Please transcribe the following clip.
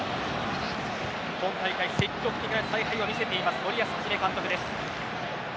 今大会、積極的な采配を見せている森保一監督です。